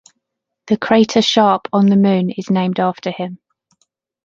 The crater Sharp on the Moon is named after him.